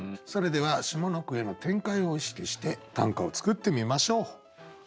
それでは下の句への展開を意識して短歌を作ってみましょう。